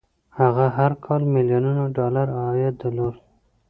هغه هر کال ميليونونه ډالر عايد درلود.